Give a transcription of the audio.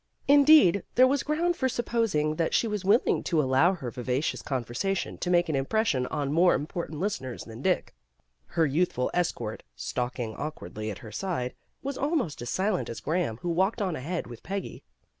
Indeed, there was ground for supposing that she was willing to allow her vivacious conversa tion to make an impression on more important listeners than Dick. Her youthful escort, stalking awkwardly at her side, was almost as silent as Graham who walked on ahead with Peggy.